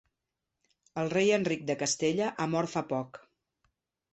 El rei Enric de Castella ha mort fa poc.